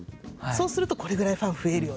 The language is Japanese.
そうするとこれぐらいファン増えるよねとか。